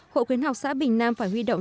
hội khuyến học xã bình nam phải huy động